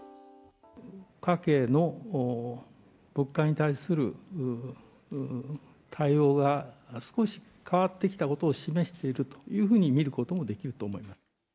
家計の物価に対する対応が、少し変わってきたことを示しているというふうに見ることもできると思います。